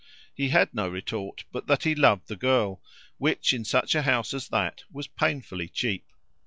He had no retort but that he loved the girl which in such a house as that was painfully cheap.